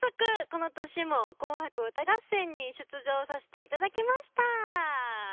この年も「紅白歌合戦」に出場させていただきました。